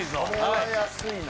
これは安いな。